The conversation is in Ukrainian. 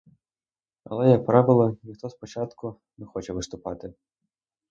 Але, як правило, ніхто спочатку не хоче виступати.